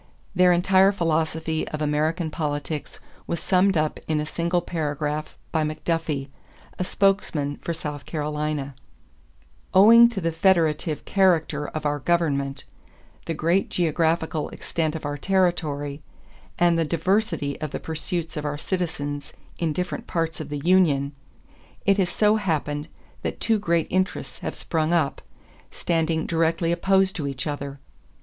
Their entire philosophy of American politics was summed up in a single paragraph by McDuffie, a spokesman for South Carolina: "Owing to the federative character of our government, the great geographical extent of our territory, and the diversity of the pursuits of our citizens in different parts of the union, it has so happened that two great interests have sprung up, standing directly opposed to each other.